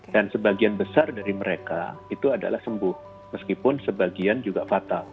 dan sebagian besar dari mereka itu adalah sembuh meskipun sebagian juga fatal